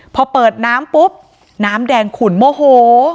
พอเปิดน้ำปุ๊บน้ำแดงขุนโมโห